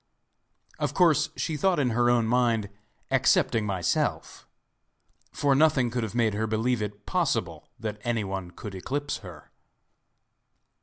Of course she thought in her own mind 'excepting myself!' for nothing could have made her believe it possible that anyone could eclipse her.